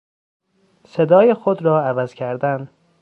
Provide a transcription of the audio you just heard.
صدای خود را عوض کردن